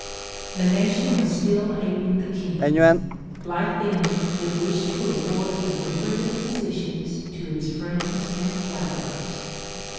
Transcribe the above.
The nation was still aping the kings: like them it wished to award the lucrative positions to its friends and flatterers.